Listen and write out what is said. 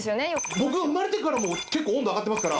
僕が生まれてからも結構温度上がってますから。